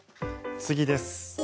次です。